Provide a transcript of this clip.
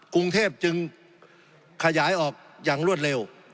กรุงเทพจึงขยายออกอย่างรวดเร็ว